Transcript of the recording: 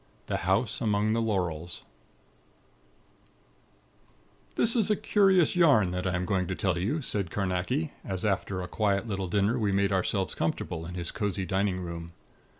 2 THE HOUSE AMONG THE LAURELS "This is a curious yarn that I am going to tell you," said Carnacki, as after a quiet little dinner we made ourselves comfortable in his cozy dining room.